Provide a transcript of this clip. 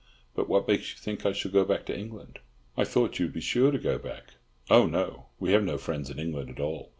But what makes you think I shall go back to England?" "I thought you would be sure to go back." "Oh, no. We have no friends in England at all.